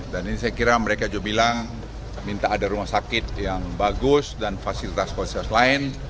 dan ini saya kira mereka juga bilang minta ada rumah sakit yang bagus dan fasilitas fasilitas lain